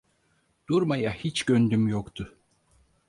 Durmaya hiç gönlüm yoktu.